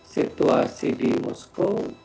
situasi di moskow